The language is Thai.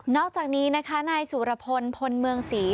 นอกจากนี้นะคะนายสุรพนธ์พนธ์เมื่องศรี